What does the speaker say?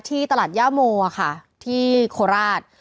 ที่ตลาดย่าโมค่ะที่โคราช